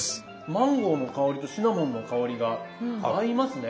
マンゴーの香りとシナモンの香りが合いますね。